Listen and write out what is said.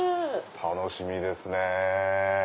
楽しみですね！